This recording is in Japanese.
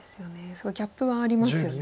すごいギャップはありますよね。